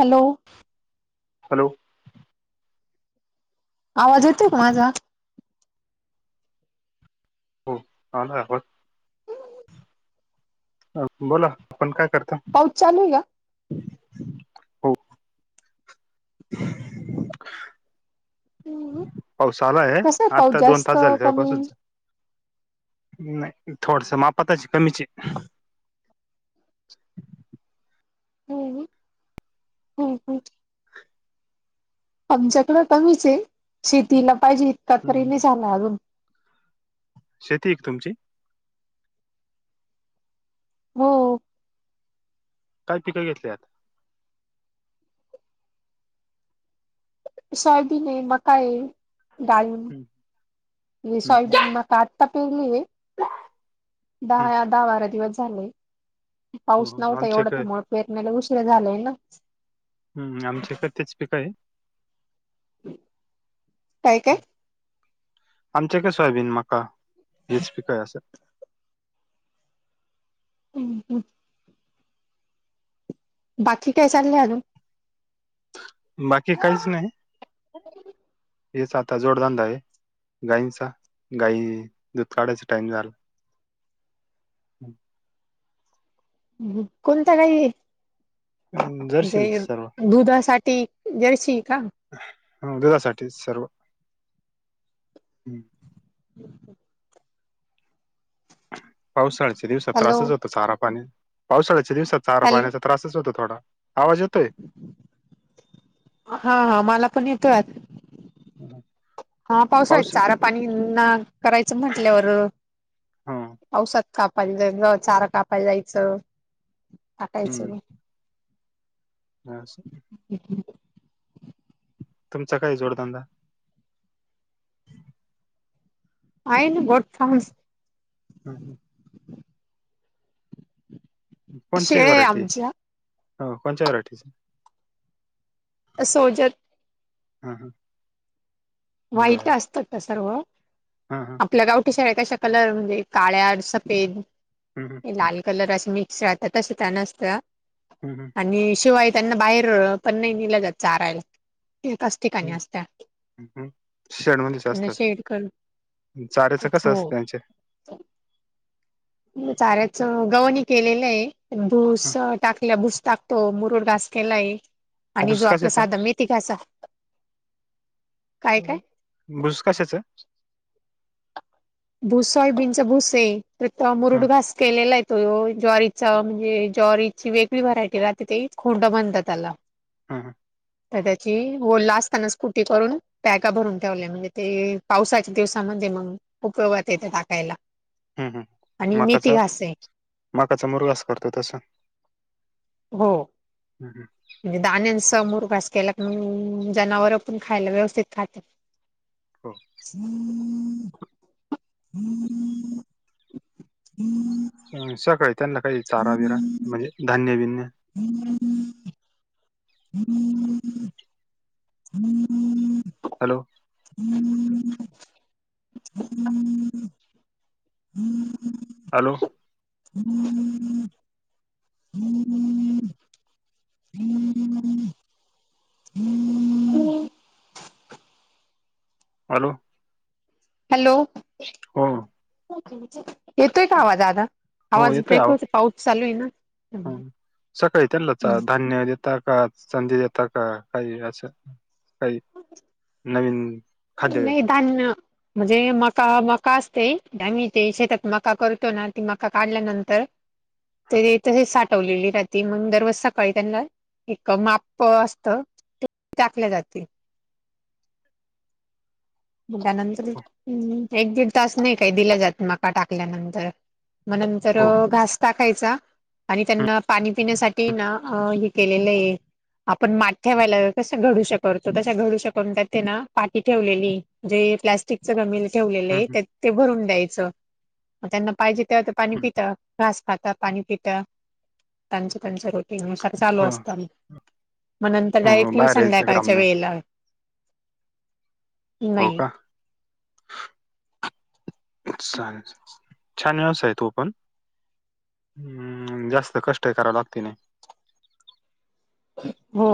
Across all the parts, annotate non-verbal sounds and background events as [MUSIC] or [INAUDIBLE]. Hello. Hello. आवाज येतोय का माझा. हो ला [UNINTELLIGIBLE] हा बोला आपण काय करता पाऊच चालू हाय का हो हम् पाऊस आलाय आत्ता दोन तास झाले कमी तेव्हापासूनच नाही थोडस मापताची कमीचे हम् हम्म् आमच्याकड कमीच आहे शेतीला पाहिजे इतका तरी हम्म. नाही झाला अजून शेती एक तुमची हो काय पिकं घेतल्यात सोयाबीन आहे मका आहे हम्म डाळी हम्म सॉयाबीन मका आता पेलिये हम्म दहा दहा बारा दिवस झाले हो, पाऊस हो. नव्हता एवढं आमच्याकडे त्यामुळे पेरणीला उशीर झालंय ना हम् आमची पण तेच पिक हायत काय काय आमच्याकडं हाय सोयाबीन मका हेच पी काय असत हम् हम बाकी काय चाललंय अजून बाकी काहीच नाही हेच आता जोडधंदा हाय गाईंचा गाई दूध काढायचा टाइम झाला कोणत्या गाई हायत जर्शी जे सर्व दुधासाठी जरसी हाय का ह दुधासाठी सर्व हम् हम् पावसाळ्याच्या दिवसात हॅलो त्रासच होतो चारा पाणी पावसाळ्याच्या दिवसात चारा हॅलो पाण्याचा त्रासच होतो थोडा आवाज येतोय हा हा मला पण येतोय हा पावसाळ्यात पाऊस चारा पाणी ना करायचं म्हंटल्यावर ह औषध कापायला चारा कापायला जायचं टाकायचं ह हम् ह तुमचा काय जोडधंदा आईन बोड फस हम हं कोणची हाय शेळ्या आहे व्हरायटी आमच्या हा कोणच्या व्हरायटीचे असोजत हम हा वाईट असतात का सर्व हा हा आपल्या गावठी शाळ कशा कलर म्हणजे काळ्या सफेद हम हम लाल कलर असं मिक्स राहतात तसं त्या नसतं हम हम आणि शिवाय त्यांना बाहेर पण नाही नेलं जात चारायला एकाच ठिकाणी असत ् शेण म्हंदच असतात शेड कर चाऱ्याच कसं असत हो त्यांचे चाऱ्याच गवनी केलेलं आहे भूस टाकल्या भूस टाक तो मुरुडास केलाय आणि भुस जो आपलं कशाचा साध मेथी घा अस काय काय बुस कशाचं भूस व्हय सोयाबीनच भूस आहे तर त ह मुरुड घास केलेला आहे तो ज्वारीत म्हणजे जॉरीची वेगळी व्हरायटी राहते ते खोंड बनतात त्याला हा हा तर त्याची ओोलला असताना स्कुटी करून पॅका भरून ठेवल्या म्हणजे ते पावसाच्या दिवसामध्ये मग उपयोगात येते टाकायला हम् हम् आणि मेथी माकाचा घास आहे माकाचा मुर्गस करतो तस हो हं हं म्हणजे दाण्याचा मुरगास केला पण जनावर पण खायला व्यवस्थित खातात [UNINTELLIGIBLE] हो हम हम् हम् सकाळळी त्यांना काही चारा बिरा म्हणजे धान्य बि्य हम्मम हम्म हम्म हॅलो हम्म हम्म हम्म हॅलो हम्मम्म् हम्म हम हम्म हॅलो हॅलो हम ठीक येतोय का आवाज आता हो आवाज येतोय ब्रेक आवा होत पाऊस चालू आहे ना ह सकाळी त्यांलाच धान्य देेत का संधी येतात का काही असं काही नवीन खाद्य नाही देत दान म्हणजे मका मका असते द मी ते शेतात मका करतो ना ती मका काढल्यानंतर तरी तसे साठवलेली रा ते म्हण दरवज सकाळी त्यांना एक माप असत ते टाकल्या जाते ल्यानंतर् हो एक दीड तास नाही काही दिलं जात मका टाकल्यानंतर मग नंतर हो हो घासता खायचा आणि हं, त्यांना पाणी पिण्यासाठी ना हे केलेलं आहे आपण माठ ठेवायला तस घडू श करतो तशा घडू शक म्हणतात ते ना पाठी ठेवलेली जे प्लास्टिकच गमी ठेवलेलं हं, हं, आहे ते भरून द्यायचं मग त्यांना पाहिजे त्या पाणी हं. पित घास खात पाणी पित त्यांचं त्यांच रोटी होऊत चालू हो असत म मग नंतर हो, डायरेक्टली बाहेर यायचं काम संध्याकाळच्या नाही वेळेला हो नाही का चालेल छान व्यवसा आहे तू पण हम्म जास्त कष्ट कराव लागते नाही हो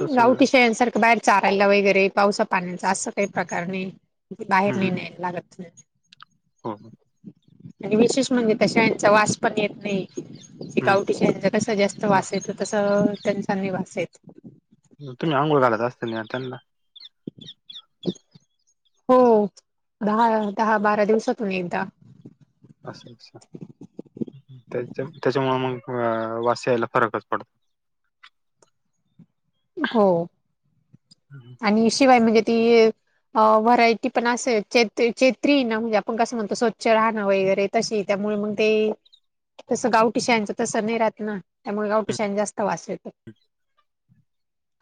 तस हम्म गावठी शांसारखं बाहेर चारायला वगैरे पावसा पाण्याचा असं काही प्रकार नाही ति बाहेर ल न लागत हा ह आणि विशेष म्हणजे तशा यांचा वास पण येत नाही हम्म गावटीच्याच कस जास्त वासेत तस त्यांचानी वासेत तुम्ही आंघोळ घालत असता ना त्यांना हो दहा दहा बारा दिवसातून एकदा अस्ंच्छा त्याच्या त्याच्यामुळे मग वास यायला फरकच पडतो हो हम्म. आणि शिवाय मगे ती व्हरायटी पण असे चेत्री ना म्हणजे आपण कसं म्हणतो स्वच्छ राहणं वगैरे तसे त्यामुळे मग ते तसं गावठी शायांचं तस नाही राहत ना त्यामुळे गावठी शायां जास्त वास येत हम्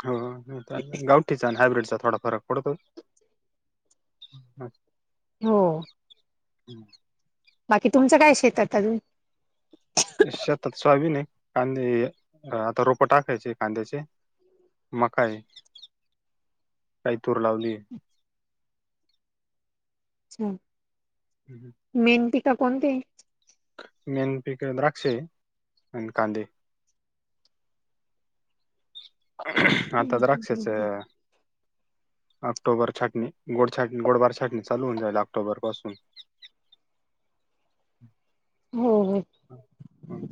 हो गावठीचा आणि हायब्र्रीड चा थोडा फरक कडत हो हम्म बाकी तुमचं काय शेतात अजून शेतात स्वाभन आहे कांदे आता रोप टाकायचे कांद्याचे म काय काही तूर लावलीय चं हम् ह मेन पिक कोणती हे? मेन पिक द्राक्ष आणि कांदे हे. आता द्राक्षाच ऑक्टोबर छटणी गोड छाटणी गोडबार छटणी चालू होन जाईल ऑक्टोबर पासून. हो, हो. हम् [UNINTELLIGIBLE]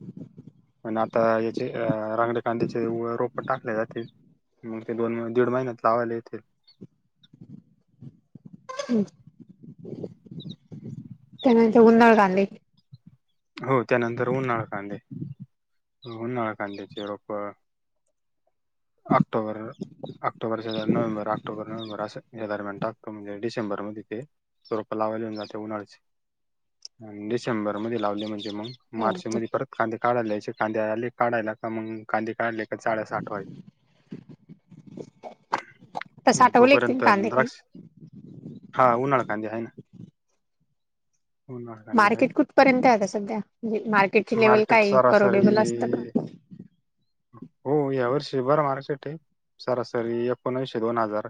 म्हण आता याचे रांगडकांद्याचे रोप टाकले जातील. मग ते दोन, दीड महिन्यात लावायला येतील. हम्म. त्यानंतर उन्हाळा कांदे. हो त्यानंतर उन्हाळा कांदे. उन्हाळ कांद्याचे रोप October October, November, October, November अस या दरम्यान टाकतो म्हजे डिसेंबर मधीते. रोप लावायला येऊन जाते उन्हाळचे डिसेंबरमध्ये. लावले म्हणजे मग मार्च हो मध्ये परत कांदे काढालायचे कांदे आले काढायला का मग कांदे काढ जाळ्या साठवाय आता साठवले एकतील तोपर्यंत कांदे काही द्राक्ष हा उन्हाळी कांदे आहेना. कांदे आहे मार्केट कुठपर्यंत आता सध्या म्हणजे मार्केटची लेव्हल मार्केट काय परोडेबल असतं सरासरी का? [UNINTELLIGIBLE] हो या वर्षी बर मार्केट आहे सरासरी एकोणाविशे, दोन हजार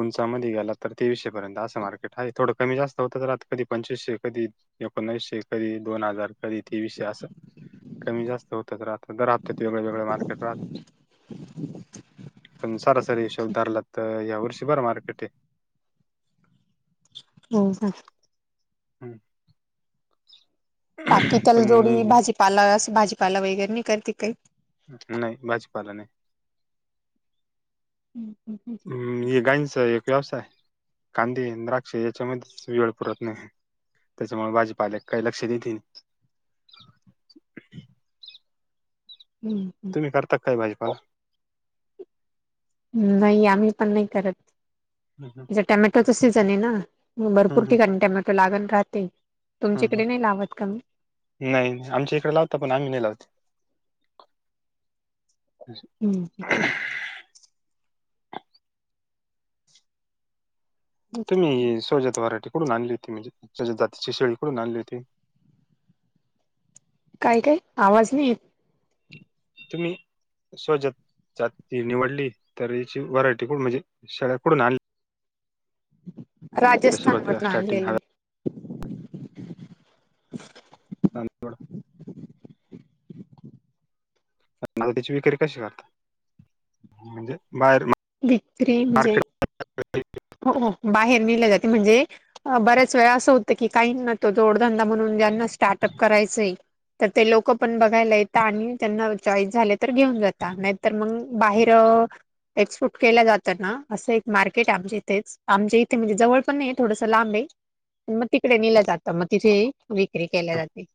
उंचामध्ये गेला तर तेवीसशे पर्यंत असं मार्केट आहे थोडं कमी जास्त होतं तर आता कधी पंचवीसशे कधी एकोनावीशे कदी, दोन हजार कदी तेविशसे असं कमी, जास्त होतच राहत दर हफ्त्यात ते वेगळ, वेगळ मार्केट राहत. पण सरासरी हिशोब धरला तर या वर्षी बरं मार्केट आहे. हो साग. हम्म. बाकी त्याला पण जोडी मी भाजीपाला अस भाजीपाला वगैरे नाही करते काही? नाही भाजपाला नाही. हम्म ये गाईनस एक व्यवसाय कांदे, द्राक्ष याच्यामध्येच वेळ पुरत नाही. त्याच्यामुळे भाजीपाल्याला काही लक्ष देेतील. हम्म.. करतात काय भाजपाला? नाही आम्ही पण नाही करत. ह हं. टॅमॅटोच सीझन हे ना भरपूर हम्म, ठिकाणी टॅमॅटो लागण राहते. तुमचे हम्म, हम्म. ईकडे नाही लावत का मग? नाही आमच्या इकडे लावता पण आम्ही नाही लावती. हम्म. ही सवजात व्हराठीे कुडून आणली होती म्हणजे जातीची शेळी कुडून आणली होती? काय, काय आवाज नाही येत. तुम्ही सोवजात जाती निवडली तर याची व्हरायटी कुडू म्हणजे शेळ्या कुडून आणली? राजस्थान सुरुवातीला मधनं आणल्या स्टार्टिंग हाय. ह तांपोळ [INAUDIBLE] मंग त्याची विक्री कशी करता? म्हणजे बाहेर विक्री म्हणजे [INAUDIBLE] हो, हो बाहेर नेल्या जाती म्हणजे अ बऱ्याच वेळा असं होतं की काहीनातो जोडधंदा म्हणून ज्यांना स्टार्टअप करायचंय तर ते लोक पण बघायला येता आणि त्यांना चॉईस झाले तर घेऊन जाता नाही तर मंग बाहेर अ एक्सपूट केल्या जात ना असं एक मार्केट आहे आमच्या इथेच आमच्या इथे म्हणजे जवळ पण नाहीये थोडंसं लांब आहे. मग तिकडे नेलं जातं मग तिथे विक्री केल्या जाती.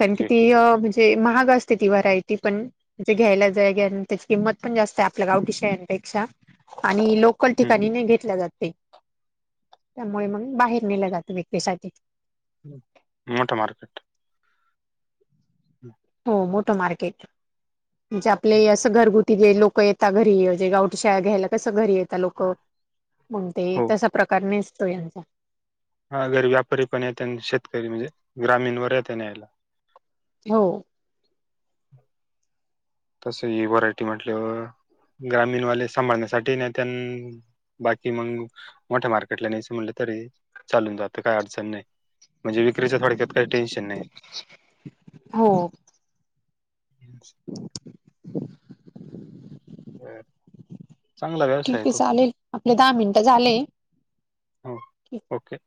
कारण की ती अ म्हणजे ते महाग असते ती व्हरायटी पण जे घ्यायला जाय त्याची किंमत पण जास्त आपल्या गावठी शेळांपेक्षा आणि लोकल हम्म. ठिकाणी नाही घेतल्या जात ते. त्यामुळे मंग बाहेर नेलं जातं विक्रीसाठी. मोठ मार्केट. हो मोठं मार्केट म्हणजे आपले असं घरगुती ति जे लोक येतात घरी जे गावठी शेळा घ्यायला कसं घरी येता लोक मंग ते हो तसा प्रकार नसतो यांचा हा घरी व्यापारी पण येत्यानं शेतकरी म्हणजे ग्रामीण वर् येत न्यायला. हो. ब्लँक [INAUDIBLE] तस ही व्हरायटी म्हंटल्यावर ग्रामीणवाले सांभाळण्यासाठीही नेत्यानं बाकी मंग मोठ्या मार्केटला न्यायच म्हनलं तरी चालून जात काही अडचण नाही. म्हणजे विक्रीच थोडक्यात काही टेन्शन नाही. हो [INAUDIBLE] [INAUDIBLE] चांगला व्यवसाय ठीक आहे तो चालेल आपले दहा मिनिटं झाले हो ओके